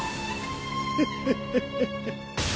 フフフフフ。